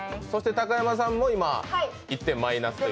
高山さんも１点マイナス。